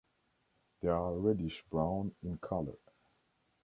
They are reddish-brown in color.